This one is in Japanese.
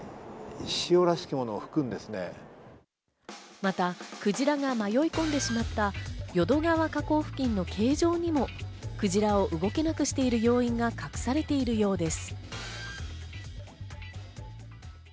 またクジラが迷い込んでしまった淀川河口付近の形状にも、クジラを動けなくしている要因が隠されているようです。